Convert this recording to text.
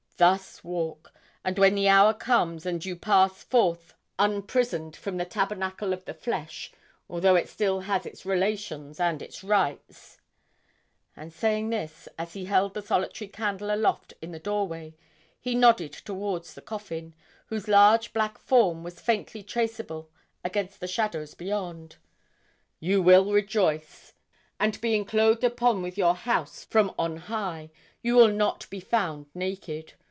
Thus walk; and when the hour comes, and you pass forth unprisoned from the tabernacle of the flesh, although it still has its relations and its rights' and saying this, as he held the solitary candle aloft in the doorway, he nodded towards the coffin, whose large black form was faintly traceable against the shadows beyond 'you will rejoice; and being clothed upon with your house from on high, you will not be found naked.